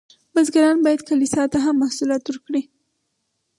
بزګران باید کلیسا ته هم محصولات ورکړي.